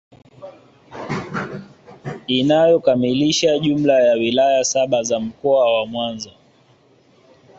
inayokamilisha jumla ya wilaya saba za Mkoa wa Mwanza